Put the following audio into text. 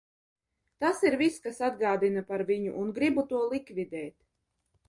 Tas ir viss, kas atgādina par viņu un gribu to likvidēt!